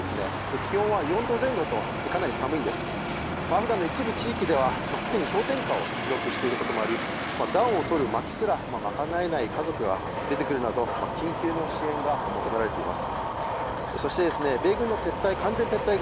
気温は４度前後とかなり寒いんですが一部地域ではもうすでに氷点下を記録していることもあり暖をとる取るまきすら賄えない家族が出てくるなどの緊急の支援が求められています